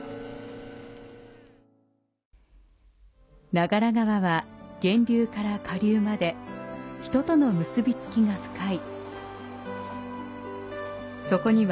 長良川は、源流から下流まで人との結びつきが深い。